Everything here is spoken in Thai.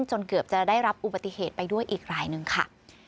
จนเกือบจะได้รับอุบัติเหตุไปด้วยอีกรายหนึ่งค่ะ